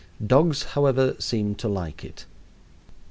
Dogs, however, seem to like it.